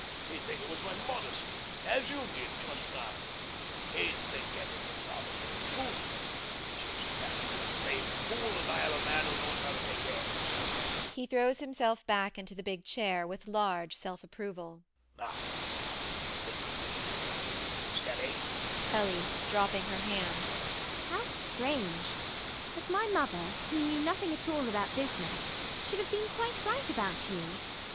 He'd think it was my modesty, as you did just now. He'd think anything rather than the truth, which is that he's a blamed fool, and I am a man that knows how to take care of himself. [He throws himself back into the big chair with large self approval]. Now what do you think of me, Miss Ellie? ELLIE [dropping her hands]. How strange! that my mother, who knew nothing at all about business, should have been quite right about you!